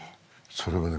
それがね